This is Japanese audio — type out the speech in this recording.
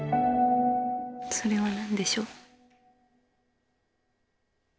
それは何でしょう。